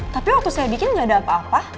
tapi waktu saya bikin gak ada apa apa